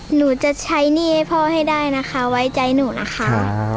หนูจะใช้หนี้ให้พ่อให้ได้นะคะไว้ใจหนูนะคะ